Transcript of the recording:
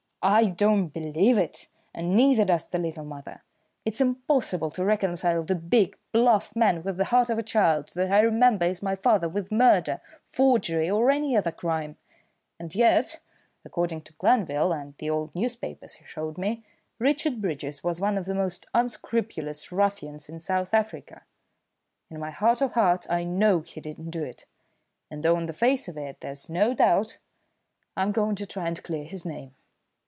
"I don't believe it, and neither does the little mother. It's impossible to reconcile the big, bluff man with the heart of a child, that I remember as my father, with murder, forgery, or any other crime. And yet, according to Glanville and the old newspapers he showed me, Richard Bridges was one of the most unscrupulous ruffians in South Africa. In my heart of hearts I know he didn't do it, and though on the face of it there's no doubt, I'm going to try and clear his name.